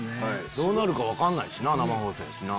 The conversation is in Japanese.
どうなるか分かんないしな生放送やしな。